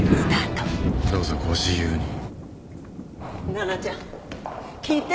ななちゃん聞いて。